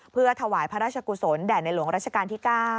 เพื่อถวายพระราชกุศลแด่ในหลวงราชการที่๙